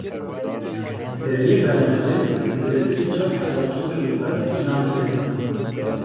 Deriyê Birahîm Xelîl zêdetirî çar hezar ton kelûpel ji nav birin.